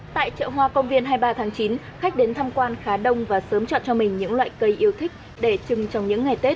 tại chợ hoa công viên hai mươi ba tháng chín khách đến tham quan khá đông và sớm chọn cho mình những loại cây yêu thích để chừng trong những ngày tết